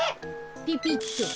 ピピッと。